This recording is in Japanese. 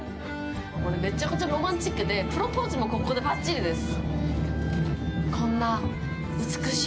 これめちゃくちゃロマンチックでプロポーズも、ここでばっちりです。